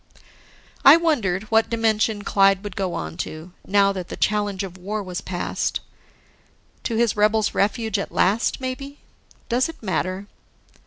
I wondered what dimension Clyde would go on to, now that the challenge of war was past. To his rebels refuge at last maybe? Does it matter?